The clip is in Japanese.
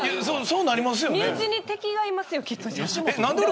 身内に敵がいますよ、きっと。